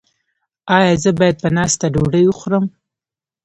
ایا زه باید په ناسته ډوډۍ وخورم؟